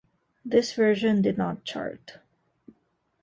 This version did not chart.